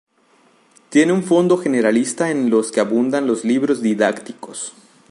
Tiene un fondo generalista, en el que abundan los libros didácticos.